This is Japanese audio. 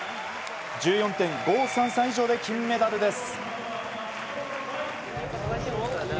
１４．５３３以上で金メダルです。